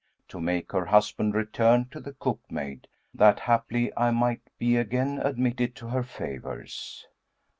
to make her husband return to the cookmaid, that haply I might be again admitted to her favours.'